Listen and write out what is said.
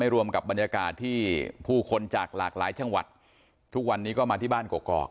รวมกับบรรยากาศที่ผู้คนจากหลากหลายจังหวัดทุกวันนี้ก็มาที่บ้านกอก